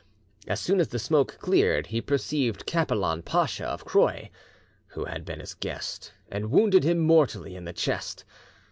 As soon as the smoke cleared, he perceived Capelan, Pacha of Croie, who had been his guest, and wounded him mortally in the chest.